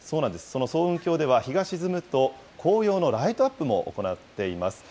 その層雲峡では、日が沈むと、紅葉のライトアップも行っています。